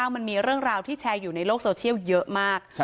มันมีเรื่องราวที่แชร์อยู่ในโลกโซเชียลเยอะมาก